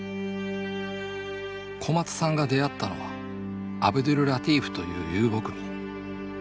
小松さんが出会ったのはアブドュルラティーフという遊牧民。